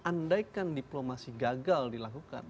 andaikan diplomasi gagal dilakukan